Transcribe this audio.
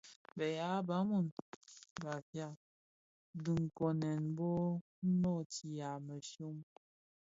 Bë yaa Bantu (Bafia) dhinkonèn bō noo nootia mëshyom.